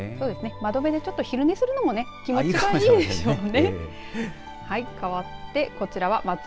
窓辺で昼寝するのも気持ちがいいでしょうね。